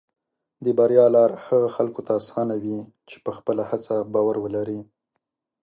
د بریا لار هغه خلکو ته اسانه وي چې په خپله هڅه باور لري.